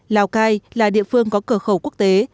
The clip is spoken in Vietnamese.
lào cai là địa phương có cửa khẩu quốc tế